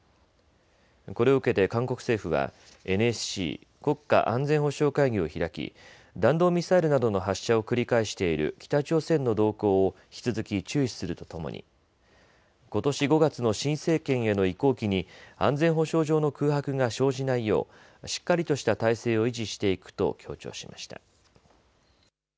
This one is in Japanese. これを受けて韓国政府はＮＳＣ・国家安全保障会議を開き弾道ミサイルなどの発射を繰り返している北朝鮮の動向を引き続き注視するとともにことし５月の新政権への移行期に安全保障上の空白が生じないようしっかりとした態勢を維持していくと強調しました。